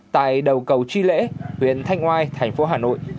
tại đầu cầu chi lễ huyện thanh oai thành phố hà nội